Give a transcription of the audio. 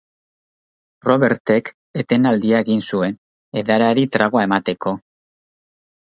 Robertek etenaldia egin zuen, edariari tragoa emateko.